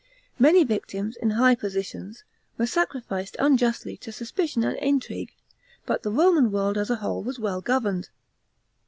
Many victims, in high positions, were sacrificed unjustly to suspicion and intrigue, but the Roman world, as a whole, was still well governed.